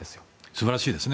素晴らしいですね。